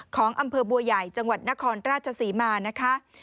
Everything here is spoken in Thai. ของอำเภอบัวใหญ่จังหวัดนครราชศรีมานะคะ